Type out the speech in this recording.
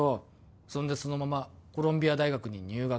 そんで、そのままコロンビア大学に入学。